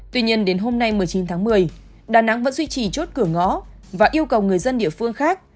tuy nhiên đến hôm nay một mươi chín tháng một mươi đà nẵng vẫn duy trì chốt cửa ngõ và yêu cầu người dân địa phương khác